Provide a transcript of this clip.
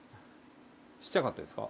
小っちゃかったですか？